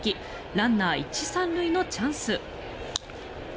ランナー１・３塁のチャンス。